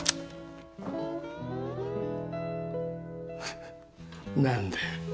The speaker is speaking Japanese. クッ何だよ。